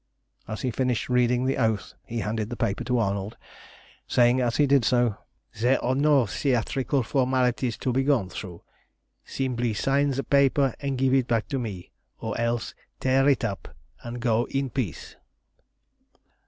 _" As he finished reading the oath, he handed the paper to Arnold, saying as he did so "There are no theatrical formalities to be gone through. Simply sign the paper and give it back to me, or else tear it up and go in peace."